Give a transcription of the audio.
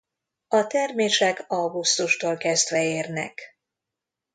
A termések augusztustól kezdve érnek.